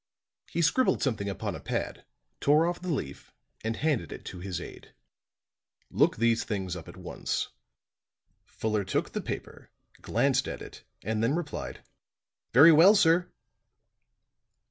He scribbled something upon a pad, tore off the leaf and handed it to his aid. "Look these things up at once." Fuller took the paper, glanced at it and then replied: "Very well, sir."